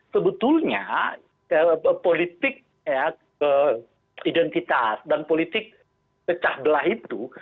sebetulnya politik identitas dan politik keterbelahan itu